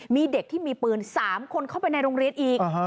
มีเด็กที่มีปืน๓คนเข้าไปในโรงเรียนอีก